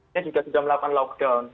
dia juga sudah melakukan lockdown